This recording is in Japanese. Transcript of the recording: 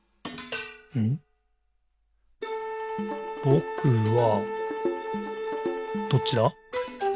「ぼくは、」どっちだ？